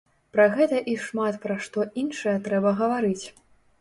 Пра гэта і шмат пра што іншае трэба гаварыць.